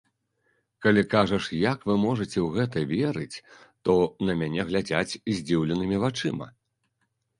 Калі кажаш, як вы можаце ў гэта верыць, то на мяне глядзяць здзіўленымі вачыма.